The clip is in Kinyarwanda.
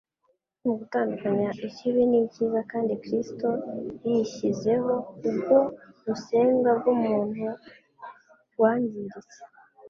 no mu gutandukanya ikibi n'icyiza; kandi Kristo yishyizeho ubwo busembwa bw'umuntu wangiritse